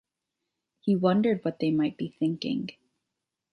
He wondered what they might be thinking.